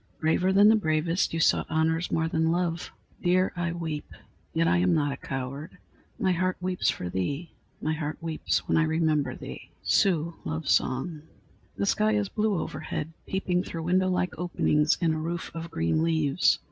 Braver than the bravest, You sought honors more than love; Dear, I weep, yet I am not a coward; My heart weeps for thee My heart weeps when I remember thee! _ Sioux Love Song._ The sky is blue overhead, peeping through window like openings in a roof of green leaves.